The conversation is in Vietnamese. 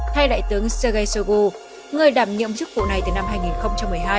hay đại tướng sergei shoigu người đảm nhiệm chức vụ này từ năm hai nghìn một mươi hai